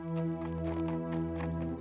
jangan ketik perang